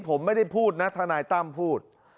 ผมไม่ได้พูดนะทนายตั้มพูด